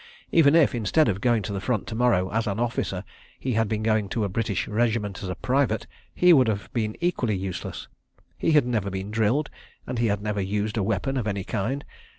Even if, instead of going to the Front to morrow as an officer, he had been going in a British regiment as a private, he would have been equally useless. He had never been drilled, and he had never used a weapon of any kind.